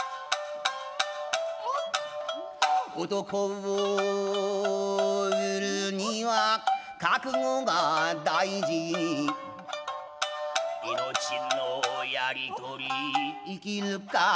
「男を売るには覚悟が大事」「命のやり取り生きるか死ぬか」